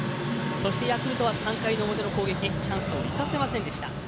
そしてヤクルトは３回の表の攻撃チャンスを生かせませんでした。